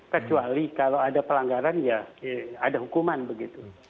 kecuali kalau ada pelanggaran ya ada hukuman begitu